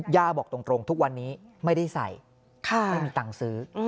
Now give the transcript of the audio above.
ย่าบอกตรงตรงทุกวันนี้ไม่ได้ใส่ค่ะไม่มีตังซื้ออืม